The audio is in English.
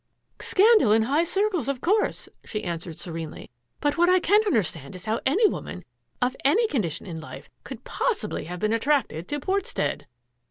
" Scandal in high circles, of course," she an swered serenely. " But what I can't understand is how any woman, of any condition in life, could possibly have been attracted to Portstead."